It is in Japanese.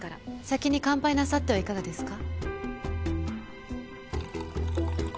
先に乾杯なさってはいかがですか？